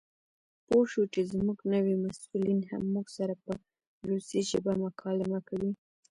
پوه شوو چې زموږ نوي مسؤلین هم موږ سره په روسي ژبه مکالمه کوي.